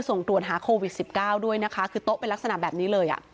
ส่งตรวจหาโควิด๑๙ด้วยนะคะคือโต๊ะเป็นลักษณะแบบนี้เลยอ่ะ